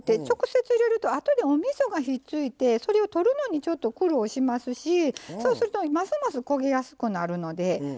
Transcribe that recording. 直接入れると後でおみそがひっついてそれを取るのにちょっと苦労しますしそうするとますます焦げやすくなるので。